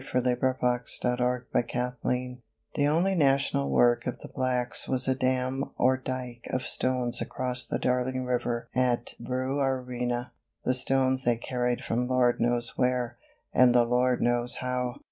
THE SONG OF THE DARLING RIVER The only national work of the blacks was a dam or dyke of stones across the Darling River at Brewarrina. The stones they carried from Lord knows where and the Lord knows how.